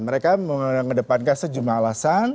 mereka mengedepankan sejumlah alasan